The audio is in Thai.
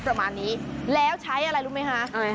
ประมาณนี้แล้วใช้อะไรรู้ไหมคะ